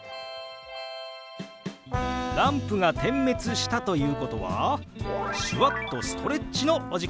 ランプが点滅したということは手話っとストレッチのお時間です！